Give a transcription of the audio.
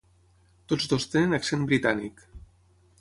Tots dos tenen accent britànic.